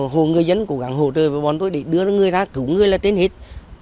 hồ người dân cố gắng hỗ trợ với bọn tôi để đưa người ra cứu người là trên hết